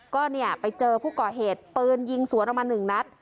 ก็เนี่ยไปเจอผู้ก่อเหตุปืนยิงสวนออกมาหนึ่งนัด